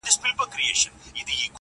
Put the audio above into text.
دا یو اختر به راته دوه اختره سینه-